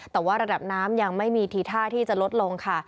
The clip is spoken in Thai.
แต่ว่าระดับน้ำยังไม่มีทีท่าที่จะลดลงค่ะ